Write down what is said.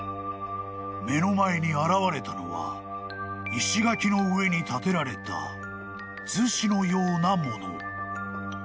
［目の前に現れたのは石垣の上に建てられた厨子のようなもの］